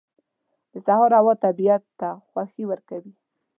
• د سهار هوا طبیعت ته خوښي ورکوي.